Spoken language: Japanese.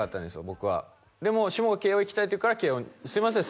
僕はでも下が慶應行きたいって言うから慶應すいません